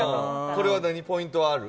これはポイントはある？